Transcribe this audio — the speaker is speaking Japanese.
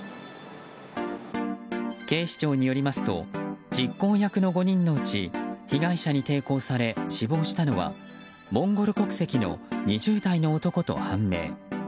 警視庁によりますと実行役の５人のうち被害者に抵抗され、死亡したのはモンゴル国籍の２０代の男と判明。